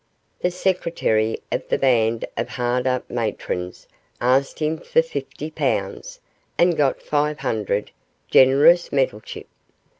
The Secretary of the Band of Hard up Matrons asked him for fifty pounds, and got five hundred generous Meddlechip!